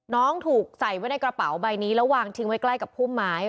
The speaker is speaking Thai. น้องถูกใส่ไว้ในกระเป๋าใบนี้แล้ววางทิ้งไว้ใกล้กับพุ่มไม้